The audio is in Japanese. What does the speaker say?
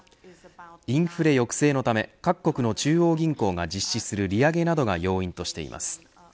インフレ抑制のため各国の中央銀行が実施する利上げなどが要因としています。